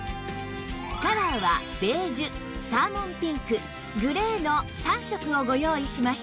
カラーはベージュサーモンピンクグレーの３色をご用意しました